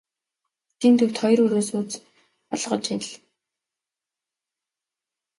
Хотын төвд хоёр өрөө сууц олгож аль.